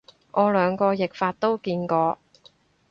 我兩個譯法都見過